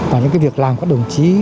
và những cái việc làm các đồng chí